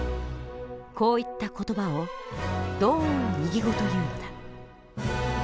こういった言葉を同音異義語というのだ。